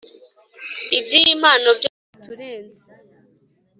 ibyiyi mpano byo byaturenze